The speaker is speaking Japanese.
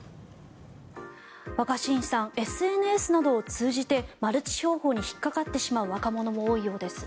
若新さんＳＮＳなどを通じてマルチ商法に引っかかってしまう若者も多いようです。